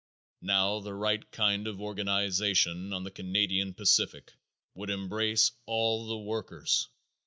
Now, the right kind of organization on the Canadian Pacific would embrace all the workers.